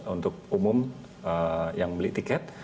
untuk umum yang beli tiket